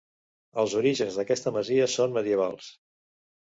Els orígens d'aquesta masia són medievals.